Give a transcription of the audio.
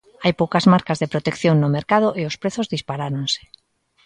Hai poucas máscaras de protección no mercado e os prezos disparáronse.